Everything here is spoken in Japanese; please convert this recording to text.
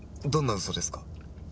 どんな嘘ですか？